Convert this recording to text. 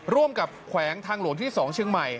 ร่วมกับแขวงทางหลวงที่๒เชียงใหม่